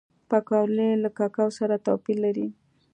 پکورې له کوکو سره توپیر لري